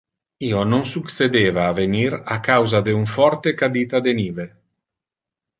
Io non succedeva a venir a causa de un forte cadita de nive.